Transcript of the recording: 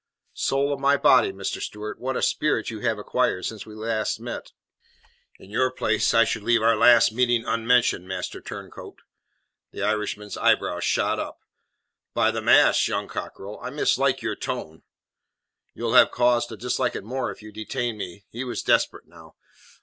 "Soul of my body, Mr. Stewart, what a spirit you have acquired since last we met." "In your place I should leave our last meeting unmentioned, master turncoat." The Irishman's eyebrows shot up. "By the Mass, young cockerel, I mislike your tone " "You'll have cause to dislike it more if you detain me." He was desperate now.